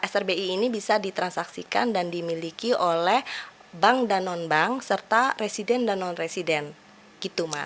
srbi ini bisa ditransaksikan dan dimiliki oleh bank dan non bank serta resident dan non resident gitu mas